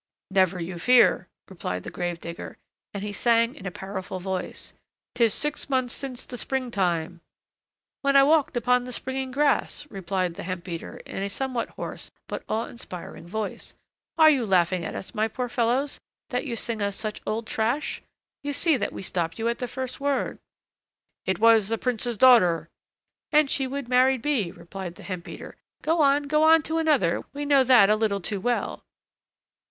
"Never you fear!" replied the grave digger, and he sang in a powerful voice: "'Tis six months since the spring time," "When I walked upon the springing grass," replied the hemp beater, in a somewhat hoarse but awe inspiring voice. "Are you laughing at us, my poor fellows, that you sing us such old trash? you see that we stop you at the first word." "It was a prince's daughter " "And she would married be" replied the hemp beater. "Go on, go on to another! we know that a little too well."